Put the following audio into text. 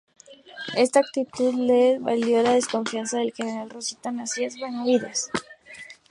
Esta actitud le valió la desconfianza del General rosista Nazario Benavídez.